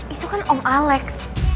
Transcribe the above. itu kan om alex